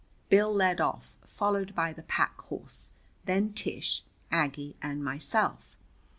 Bill led off, followed by the pack horse, then Tish, Aggie and myself.